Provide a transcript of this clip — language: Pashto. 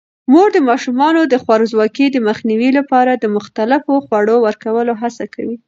مور د ماشومانو د خوارځواکۍ د مخنیوي لپاره د مختلفو خوړو ورکولو هڅه کوي.